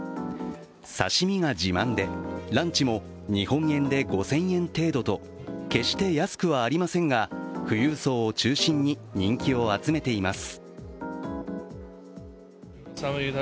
刺身が自慢で、ランチも日本円で５０００円程度と決して安くはありませんが富裕層を中心に、人気を集めています。